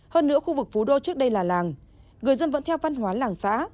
hơn nữa khu vực phú đô trước đây là làng người dân vẫn theo văn hóa làng xã